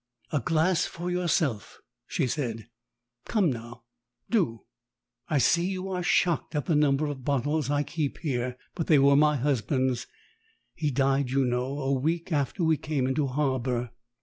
"A glass for yourself," she said. "Come now do! I see you are shocked at the number of bottles I keep here. But they were my husband's. He died, you know, a week after we came into harbour."